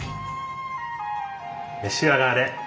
召し上がれ。